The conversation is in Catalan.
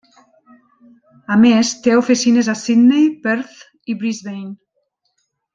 A més té oficines a Sydney, Perth i Brisbane.